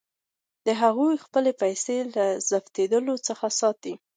هغوی خپلې پیسې له ضبظېدلو څخه ساتي.